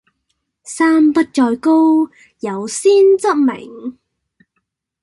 山不在高，有仙則名